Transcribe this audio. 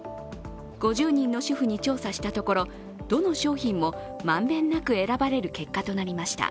５０人の主婦に調査したところどの商品も満遍なく選ばれる結果となりました。